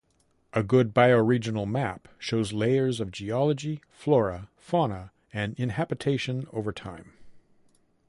A good bioregional map shows layers of geology, flora, fauna, and inhabitation over time.